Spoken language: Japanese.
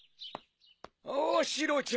おおシロちゃん。